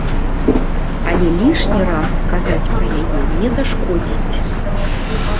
Але лішні раз сказаць пра яе не зашкодзіць.